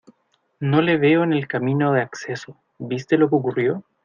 No le veo en el camino de acceso. ¿ viste lo qué ocurrió?